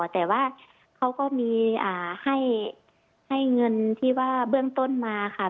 แต่ว่าเขาก็มีให้เงินที่ว่าเบื้องต้นมาค่ะ